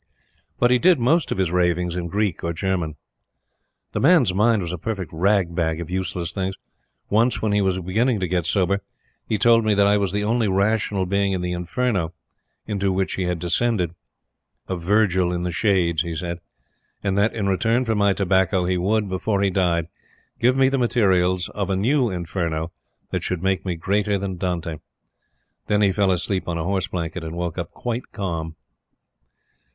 But he did most of his ravings in Greek or German. The man's mind was a perfect rag bag of useless things. Once, when he was beginning to get sober, he told me that I was the only rational being in the Inferno into which he had descended a Virgil in the Shades, he said and that, in return for my tobacco, he would, before he died, give me the materials of a new Inferno that should make me greater than Dante. Then he fell asleep on a horse blanket and woke up quite calm.